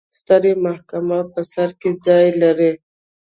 ستره محکمه په سر کې ځای لري.